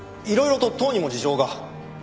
いろいろと党にも事情が。